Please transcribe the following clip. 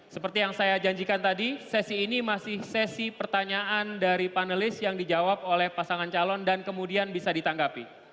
seperti yang saya janjikan tadi sesi ini masih sesi pertanyaan dari panelis yang dijawab oleh pasangan calon dan kemudian bisa ditanggapi